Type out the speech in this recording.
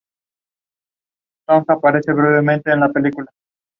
Its ability to survive hard frosts recommended it to Scottish growers in particular.